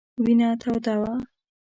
وینه توده وه.